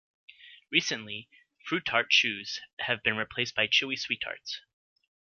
Recently, FruiTart Chews have been replaced by Chewy SweeTarts.